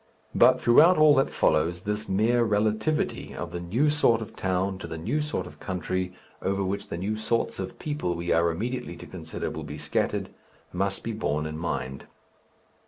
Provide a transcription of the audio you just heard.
But throughout all that follows, this mere relativity of the new sort of town to the new sort of country over which the new sorts of people we are immediately to consider will be scattered, must be borne in mind.